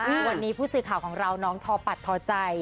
วันนี้ผู้สื่อข่าวของเราน้องทอปัดทอใจ